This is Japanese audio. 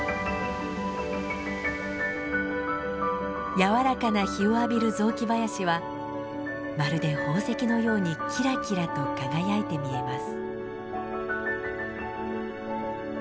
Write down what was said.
柔らかな日を浴びる雑木林はまるで宝石のようにキラキラと輝いて見えます。